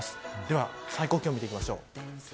最高気温、見ていきましょう。